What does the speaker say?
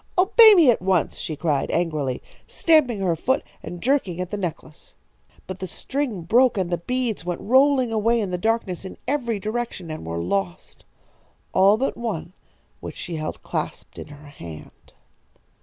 "'Obey me at once!' she cried, angrily, stamping her foot and jerking at the necklace. But the string broke and the beads went rolling away in the darkness in every direction, and were lost. All but one, which she held clasped in her hand.